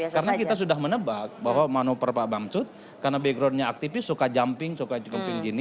karena kita sudah menebak bahwa manuver pak bamsud karena backgroundnya aktivis suka jumping suka jumping gini